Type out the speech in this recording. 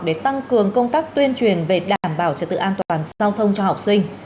để tăng cường công tác tuyên truyền về đảm bảo trật tự an toàn giao thông cho học sinh